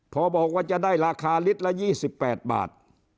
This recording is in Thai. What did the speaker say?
พอบอกว่าจะได้ราคาลิตรละ๒๘บาท